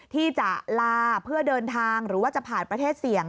ที่จะลาเพื่อเดินทางหรือว่าจะผ่านประเทศเสี่ยง